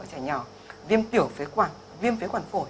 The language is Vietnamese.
trẻ nhỏ viêm tiểu phế quản viêm phế quản phổi